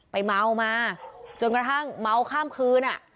ไปเมา้วมาจนกระทั่งเมา้วข้ามพึ้นน่ะ